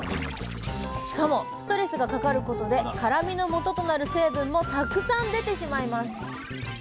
しかもストレスがかかることで辛みのもととなる成分もたくさん出てしまいます。